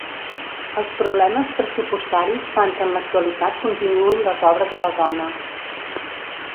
Els problemes pressupostaris fan que en l'actualitat continuïn les obres a la zona.